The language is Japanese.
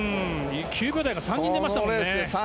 ９秒台が３人出ましたもんね。